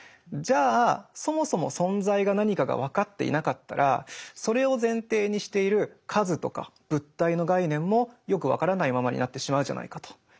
じゃあそもそも存在が何かが分かっていなかったらそれを前提にしている数とか物体の概念もよく分からないままになってしまうじゃないかと。